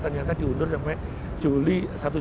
ternyata diundur sampai satu juli dua ribu tujuh belas